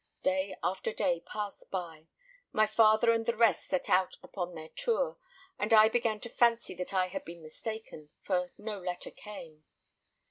Day after day passed by; my father and the rest set out upon their tour, and I began to fancy that I had been mistaken, for no letter came.